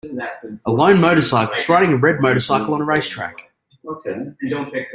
a loan motorcyclist riding a red motorcycle on a racetrack